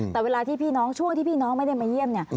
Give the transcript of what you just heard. แต่เวลาที่พี่น้องช่วงที่พี่น้องไม่ได้มาเยี่ยมเนี่ย